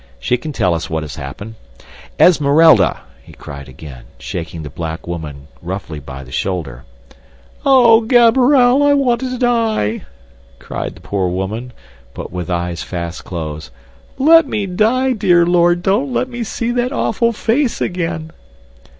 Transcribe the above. "She can tell us what has happened. Esmeralda!" he cried again, shaking the black woman roughly by the shoulder. "O Gaberelle, I want to die!" cried the poor woman, but with eyes fast closed. "Let me die, dear Lord, don't let me see that awful face again."